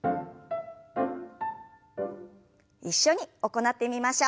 一緒に行ってみましょう。